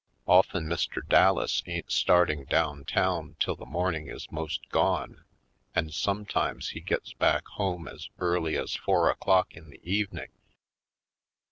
Often Mr. Dal las ain't starting down town till the morn ing is 'most gone, and sometimes he gets back home as early as four o'clock in the evening.